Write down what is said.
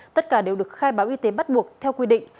tất cả đều được khai báo y tế bắt buộc theo quy định